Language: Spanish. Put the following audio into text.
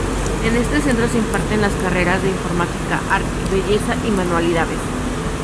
En este centro se imparten las carreras de informática, arte, belleza y manualidades.